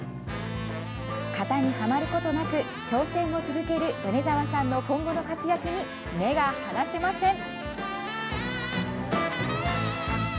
型にはまることなく挑戦を続ける米澤さんの今後の活躍に目が離せません。